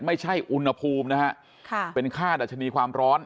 ไม่ใช่อุณหภูมินะฮะเป็นค่าดัชนีความร้อน